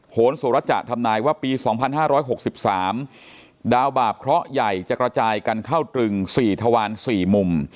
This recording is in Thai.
โหนโสระจะทำนายว่าปี๒๕๖๓ดาวบาปเคราะห์ใหญ่จะกระจายกันเข้าตรึง๔ทวาร๔มุม